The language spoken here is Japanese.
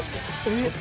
「えっ！」